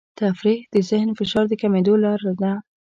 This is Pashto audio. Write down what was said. تفریح د ذهني فشار د کمېدو لاره ده.